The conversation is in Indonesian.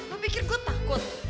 lu pikir gua takut